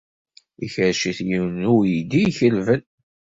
Ikerrec-it yiwen n uydi ikelben.